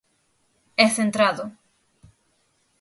E centrado...